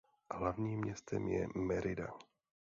Hlavním městem je Mérida.